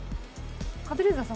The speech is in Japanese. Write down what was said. カズレーザーさん